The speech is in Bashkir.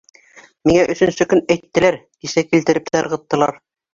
Миңә өсөнсө көн әйттеләр, кисә килтереп тә ырғыттылар.